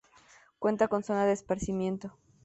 Cuenta con zona de esparcimiento.